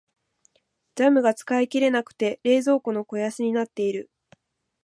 ジャムが使い切れなくて冷蔵庫の肥やしになっている。